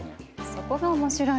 そこが面白いの。